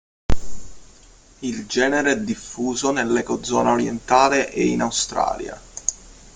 Il genere è diffuso nell'Ecozona orientale e in Australia.